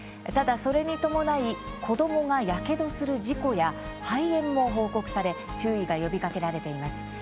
ただ、それに伴い子どもがやけどする事故や肺炎も報告され注意が呼びかけられています。